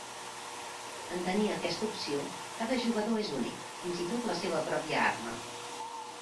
En tenir aquesta opció, cada jugador és únic, fins i tot la seva pròpia arma.